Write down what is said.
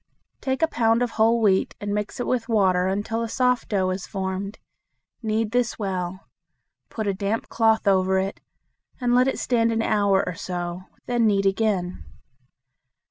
Take a pound of whole wheat and mix it with water until a soft dough is formed. Knead this well. Put a damp cloth over it, and let it stand an hour or so. Then knead again.